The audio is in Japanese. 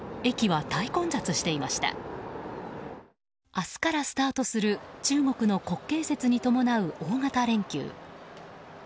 明日からスタートする中国の国慶節に伴う大型連休。